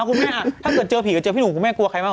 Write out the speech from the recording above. คุณแม่ถ้าเกิดเจอผีก็เจอพี่หนุ่มคุณแม่กลัวใครบ้าง